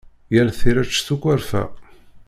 Yal tirect s ukwerfa.